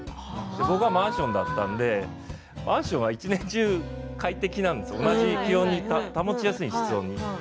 僕はマンションだったのでマンションは１年中快適なんです、同じ気温に保ちやすいんです。